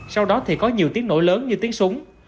sau đó thì có nhiều tiếng nổ lớn như tiếng súng